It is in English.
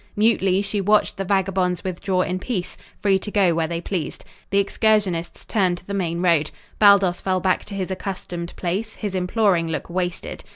Mutely she watched the vagabonds withdraw in peace, free to go where they pleased. The excursionists turned to the main road. Baldos fell back to his accustomed place, his imploring look wasted.